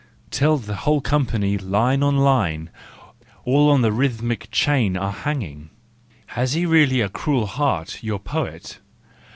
— Till the whole company, line on line, All on the rhythmic chain are hanging. Has he really a cruel heart, your poet